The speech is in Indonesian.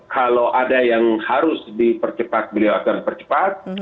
kalau ada yang harus dipercepat beliau akan percepat